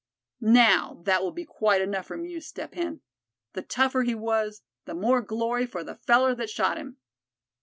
Now, that will be quite enough from you, Step Hen. The tougher he was, the more glory for the feller that shot him."